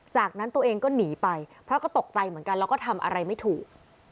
จากนั้นตัวเองก็หนีไปพระก็ตกใจเหมือนกันแล้วก็ทำอะไรไม่ถูก